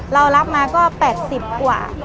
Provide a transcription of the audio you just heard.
เรารับมาก็๘๐กว่า